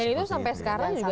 itu sampai sekarang juga